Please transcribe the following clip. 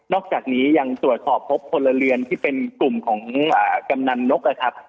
อกจากนี้ยังตรวจสอบพบพลเรือนที่เป็นกลุ่มของกำนันนกนะครับ